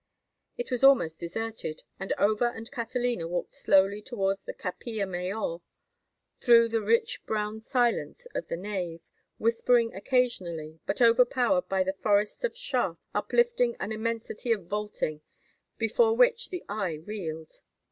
It was almost deserted, and Over and Catalina walked slowly towards the Capilla Mayor, through the rich brown silence of the nave, whispering occasionally, but overpowered by the forest of shafts uplifting an immensity of vaulting before which the eye reeled.